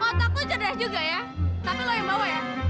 otakku cedera juga ya tapi lo yang bawa ya